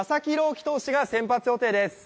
希投手が先発予定です。